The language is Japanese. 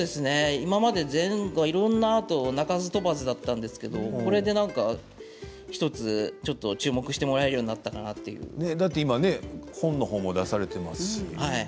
今までいろんなアート鳴かず飛ばずだったんですがこれで１つちょっと注目してもらえるように今、本も出されていますし。